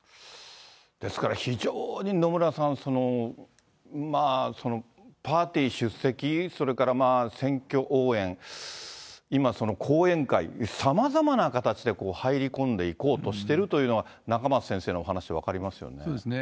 ですから非常に野村さん、パーティー出席、それから選挙応援、今、講演会、さまざまな形で入り込んでいこうとしてるというのが、仲正先生のそうですね。